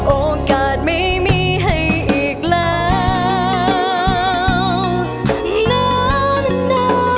โอกาสไม่มีให้อีกแล้ว